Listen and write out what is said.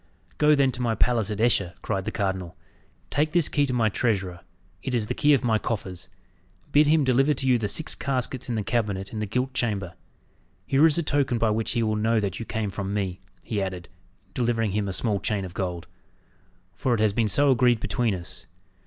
"Go, then, to my palace at Esher," cried the cardinal. "Take this key to my treasurer it is the key of my coffers. Bid him deliver to you the six caskets in the cabinet in the gilt chamber. Here is a token by which he will know that you came from me," he added, delivering him a small chain of gold, "for it has been so agreed between us.